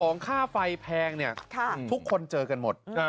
โครงค่าไฟแพงทุกคนเจอกันหมด